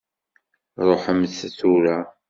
Ṛuḥemt tura.